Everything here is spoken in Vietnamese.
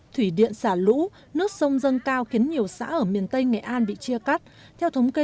thủy điện xả lũ nước sông dâng cao khiến nhiều xã ở miền tây nghệ an bị chia cắt theo thống kê